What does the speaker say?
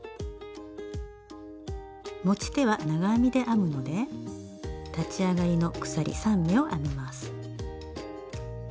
持ち手は長編みで編むので立ち上がりの鎖３目を編みます。